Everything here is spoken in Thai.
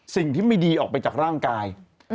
สิ่งที่ไม่ดีออกไปจากร่างกาย